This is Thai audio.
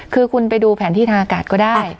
คือคุณไปดูแผนที่ทางอากาศก็ได้